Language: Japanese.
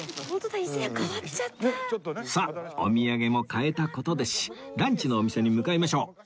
さあお土産も買えた事ですしランチのお店に向かいましょう